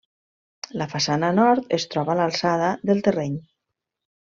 La façana nord es troba a l'alçada del terreny.